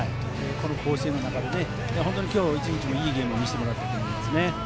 この甲子園の中で本当に今日１日、いいゲームを見せてもらえたと思います。